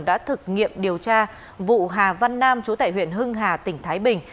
đã thực nghiệm điều tra vụ hà văn nam chú tại huyện hưng hà tỉnh thái bình